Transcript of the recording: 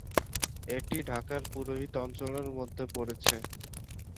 এটি ঢাকার পুরোহিত অঞ্চলের মধ্যে পড়েছে।